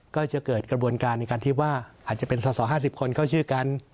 ก็จะเกิดกระบวนการในการที่ว่าอาจจะเป็นสอสอ๕๐คนเข้าชื่อกัน